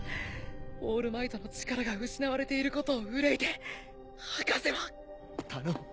オールマイトの力が失われていることを憂いて博士は頼む